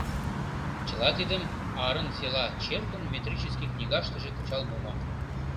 Чыла тидым Арын села черкын метрический книгаштыже кычал мумо.